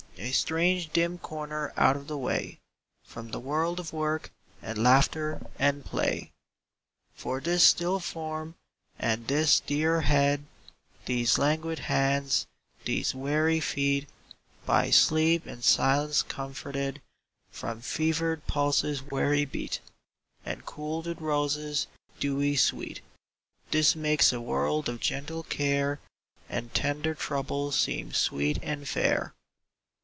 A strange dim corner out of the way From the world of work, and laughter and play. For this still form, and this dear head, These languid hands, these weary feet, By sleep and silence comforted From fevered pulses' weary beat, And cooled with roses, dewy sweet — This makes a world of gentle care, And tender trouble seem sweet and fair.